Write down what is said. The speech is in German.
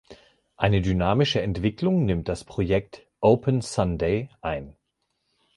Eine dynamische Entwicklung nimmt das Projekt "Open Sunday" ein.